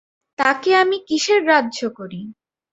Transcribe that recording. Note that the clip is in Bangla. তাকে আমি কিসের গ্রাহ্য করি!